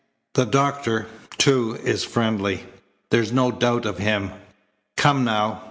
The doctor, too, is friendly. There's no doubt of him. Come, now.